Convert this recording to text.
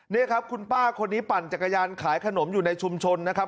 นี่ครับคุณป้าคนนี้ปั่นจักรยานขายขนมอยู่ในชุมชนนะครับ